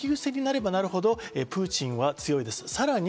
持久戦になればなるほどプーチンは強いです。